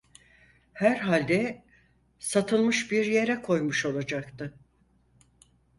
Herhalde Satılmış bir yere koymuş olacaktı.